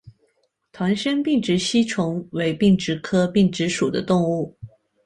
团山并殖吸虫为并殖科并殖属的动物。